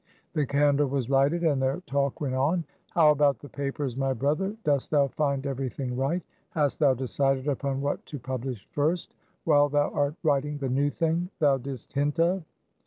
The candle was lighted, and their talk went on. "How about the papers, my brother? Dost thou find every thing right? Hast thou decided upon what to publish first, while thou art writing the new thing thou didst hint of?"